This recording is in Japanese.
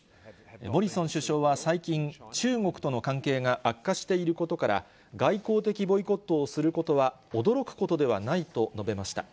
モリソン首相は最近、中国との関係が悪化していることから、外交的ボイコットをすることは驚くことではないと述べました。